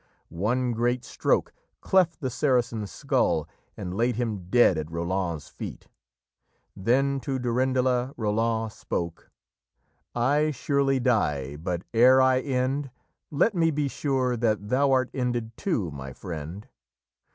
One great stroke cleft the Saracen's skull and laid him dead at Roland's feet. Then to Durendala Roland spoke: "I surely die; but, ere I end, Let me be sure that thou art ended too my friend!